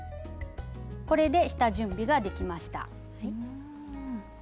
これで下準備ができました。